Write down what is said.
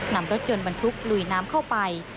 นำรถยนต์บรรทุกลุยน้ำเข้าไป